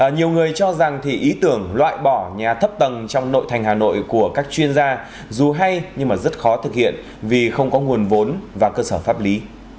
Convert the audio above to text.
nhiều người cho rằng ý tưởng loại bỏ nhà thấp tầng trong nội thành hà nội của các chuyên gia dù hay nhưng rất khó thực hiện vì không có nguồn vốn và cơ sở pháp lý